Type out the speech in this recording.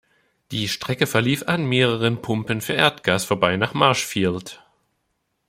Die Strecke verlief an mehreren Pumpen für Erdgas vorbei nach Marshfield.